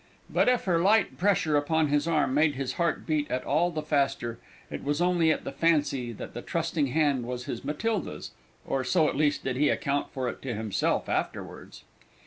But if her light pressure upon his arm made his heart beat at all the faster, it was only at the fancy that the trusting hand was his Matilda's, or so at least did he account for it to himself afterwards.